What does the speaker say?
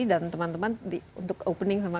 dan teman teman untuk opening sama